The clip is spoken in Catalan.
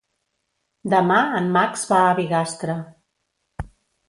Demà en Max va a Bigastre.